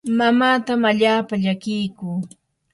mamaatam allaapa llakiyku.